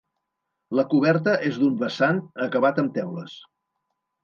La coberta és d'un vessant acabat amb teules.